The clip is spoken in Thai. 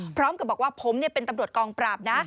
พร้อมกับบอกว่าผมเป็นตำรวจกองปราบนะ